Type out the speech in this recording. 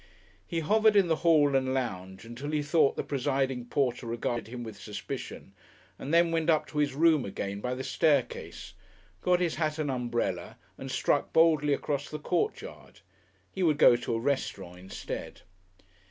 He hovered in the hall and lounge until he thought the presiding porter regarded him with suspicion, and then went up to his room again by the staircase, got his hat and umbrella and struck boldly across the courtyard. He would go to a restaurant instead.